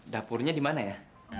dapurnya dimana ya